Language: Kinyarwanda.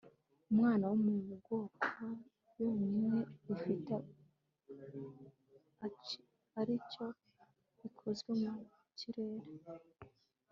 umwana wo mu bwoko ryonyine rifite arico ikozwe mu kirere